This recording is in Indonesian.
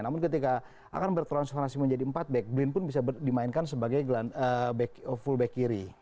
namun ketika akan bertransformasi menjadi empat back belin pun bisa dimainkan sebagai fullback kiri